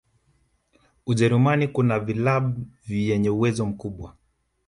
ujerumani kuna vilab vyenye uwezo mkubwa